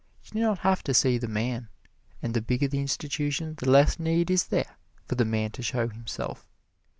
You do not have to see the man, and the bigger the institution the less need is there for the man to show himself.